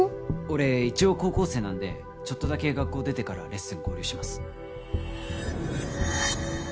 俺一応高校生なんでちょっとだけ学校出てからレッスン合流します